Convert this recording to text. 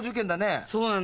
そうなんだよ。